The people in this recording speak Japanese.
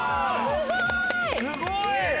すごい！